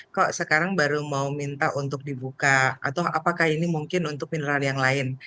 kok sekarang baru mau minta untuk dibuka atau apakah ini mungkin untuk mineral yang lain